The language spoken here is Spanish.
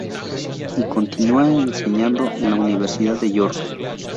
Y continúa enseñando en la Universidad de York.